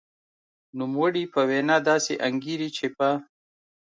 نوموړې په وینا داسې انګېري چې په